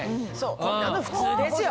こんなの普通ですよ。